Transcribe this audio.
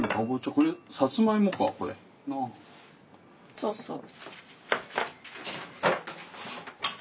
そうそう。